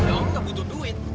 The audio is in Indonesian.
om gak butuh duit